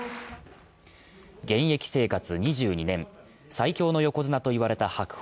現役生活２２年、最強の横綱といわれた白鵬。